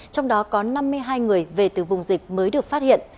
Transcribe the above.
trong đó có năm mươi hai người về từ vùng dịch mới được phát hiện